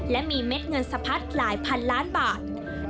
และมีเม็ดเงินสะพัดหลายพันล้านบาท